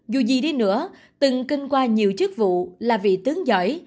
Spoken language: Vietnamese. dù gì đi nữa từng kinh qua nhiều chức vụ là vị tướng giỏi